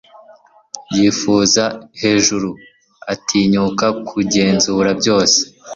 yifuza hejuru, atinyuka kugenzura byose